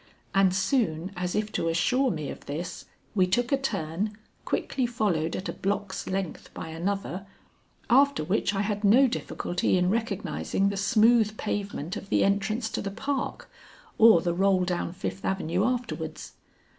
And soon, as if to assure me of this, we took a turn, quickly followed at a block's length by another, after which I had no difficulty in recognizing the smooth pavement of the entrance to the Park or the roll down Fifth Avenue afterwards.